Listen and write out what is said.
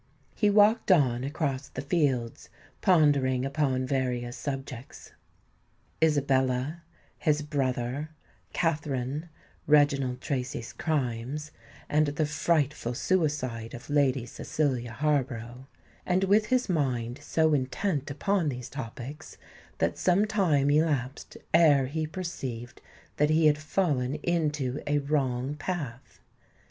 He walked on, across the fields, pondering upon various subjects,—Isabella, his brother, Katherine, Reginald Tracy's crimes, and the frightful suicide of Lady Cecilia Harborough,—and with his mind so intent upon these topics, that some time elapsed ere he perceived that he had fallen into a wrong path.